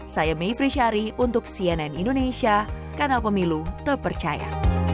saya mevri syari untuk cnn indonesia kanal pemilu terpercaya